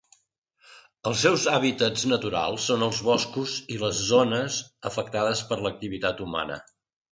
Els seus hàbitats naturals són els boscos i les zones afectades per l'activitat humana.